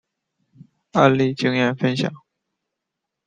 案例经验分享